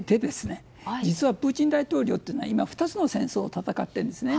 実はプーチン大統領は今、２つの戦争を戦ってるんですね。